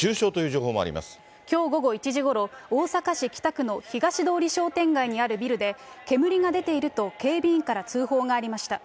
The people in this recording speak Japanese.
きょう午後１時ごろ、大阪市北区の東通商店街にあるビルで、煙が出ていると警備員から通報がありました。